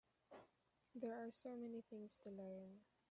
There are so many things to learn.